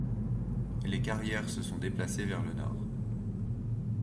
Les carrières se sont déplacées vers le nord.